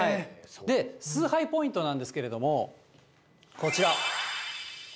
崇拝ポイントなんですけれども、こちら。